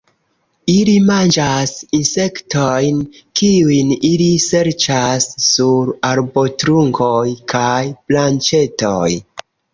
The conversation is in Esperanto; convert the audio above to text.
Ili manĝas insektojn, kiujn ili serĉas sur arbotrunkoj kaj branĉetoj.